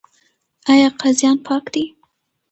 آیا قاضیان پاک دي؟